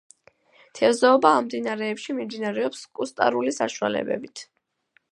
თევზაობა ამ მდინარეებში მიმდინარეობს კუსტარული საშუალებებით.